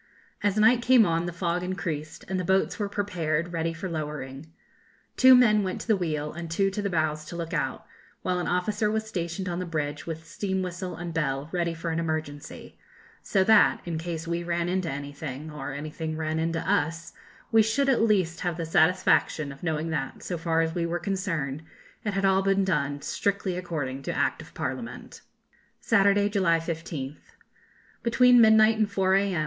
As night came on the fog increased, and the boats were prepared ready for lowering. Two men went to the wheel, and two to the bows to look out, while an officer was stationed on the bridge with steam whistle and bell ready for an emergency; so that, in case we ran into anything, or anything ran into us, we should at least have the satisfaction of knowing that, so far as we were concerned, it had all been done strictly according to Act of Parliament. Saturday, July 15th. Between midnight and 4 a.m.